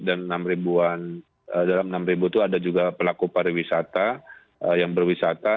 dan dalam enam ribu itu ada juga pelaku pariwisata yang berwisata